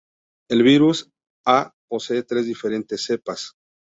El virus-a posee tres diferentes cepas.